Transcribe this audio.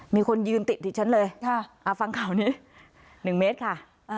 มีคนยืนติดดิฉันเลยฟังข่าวนี้๑เมตรค่ะ